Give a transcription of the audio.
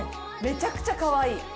めちゃくちゃかわいい！